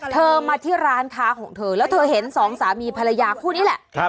เธอมาที่ร้านค้าของเธอแล้วเธอเห็นสองสามีภรรยาคู่นี้แหละ